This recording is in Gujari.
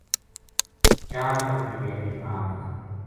چار بکری رہ گئی مال ما